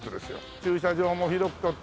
駐車場も広く取ってへえ。